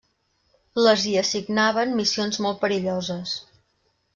Les hi assignaven missions molt perilloses.